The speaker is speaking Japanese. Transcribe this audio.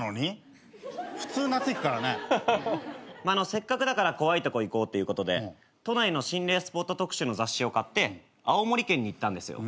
せっかくだから怖いとこ行こうっていうことで都内の心霊スポット特集の雑誌を買って青森県に行ったんですよ。